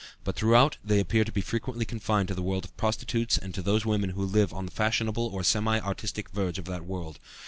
But throughout they appear to be frequently confined to the world of prostitutes and to those women who live on the fashionable or semi artistic verge of that world.